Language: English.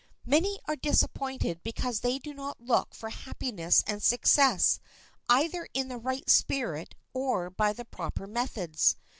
Many are disappointed because they do not look for happiness and success either in the right spirit or by the proper methods.